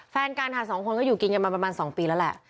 แฟนกันค่ะสองคนก็อยู่กินกันมาประมาณ๒ปีแล้วแหละ